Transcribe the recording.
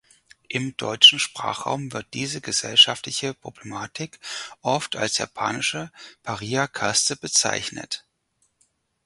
Im deutschen Sprachraum wird diese gesellschaftliche Problematik oft als japanische „Paria-Kaste“ bezeichnet.